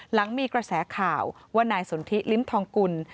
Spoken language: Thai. หลังมีกระแสข่าวว่านายสนทิลิ้มทองกุล